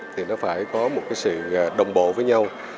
thì nó phải có một sự đồng bộ với nhau